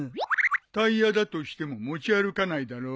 タイヤだとしても持ち歩かないだろ。